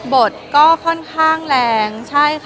บทเค้าะแค่แรง